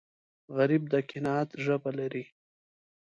غریب د قناعت ژبه لري